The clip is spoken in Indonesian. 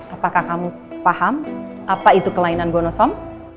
apakah kamu paham apa itu kelainan gonosom